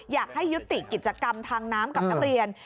อยากให้ยุติกิจกรรมทางน้ำกับนักเรียน